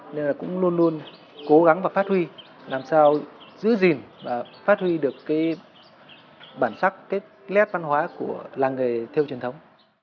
nên là cũng luôn luôn cố gắng và phát huy làm sao giữ gìn và phát huy được cái bản sắc cái lét văn hóa của làng nghề theo truyền thống